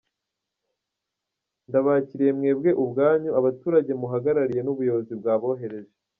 Ndabakiriye mwebwe ubwanyu, abaturage muhagarariye n’ubuyobozi bwabohereje.